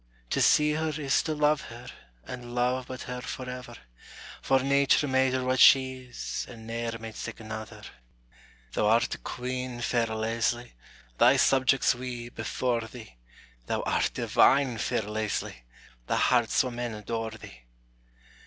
To see her is to love her, And love but her forever; For nature made her what she is, And ne'er made sic anither! Thou art a queen, fair Leslie, Thy subjects we, before thee; Thou art divine, fair Leslie, The hearts o' men adore thee.